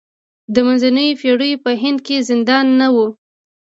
د منځنیو پېړیو په هند کې زندان نه و.